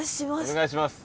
お願いします。